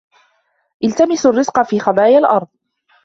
الْتَمِسُوا الرِّزْقَ فِي خَبَايَا الْأَرْضِ